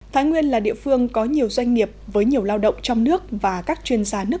thái nguyên là địa phương có nhiều doanh nghiệp với nhiều lao động trong nước và các chuyên gia nước